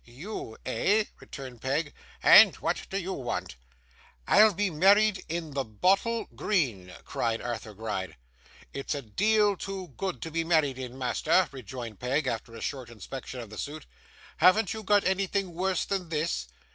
'You, eh?' returned Peg. 'And what do YOU want?' 'I'll be married in the bottle green,' cried Arthur Gride. 'It's a deal too good to be married in, master,' rejoined Peg, after a short inspection of the suit. 'Haven't you got anything worse than this?